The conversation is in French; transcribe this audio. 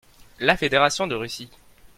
La Fédaration de Russie.